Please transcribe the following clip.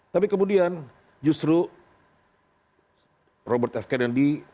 tapi kemudian justru robot f kennedy